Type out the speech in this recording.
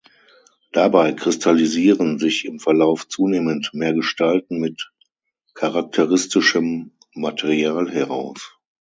Dabei kristallisieren sich im Verlauf zunehmend mehr Gestalten mit charakteristischem Material heraus.